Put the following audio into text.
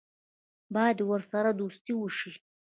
باید ورسره دوستي وشي.